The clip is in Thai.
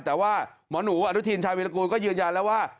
แต่ว่าหมอหนูอนุทินชายวิรากูลก็ยืนยันแล้วว่า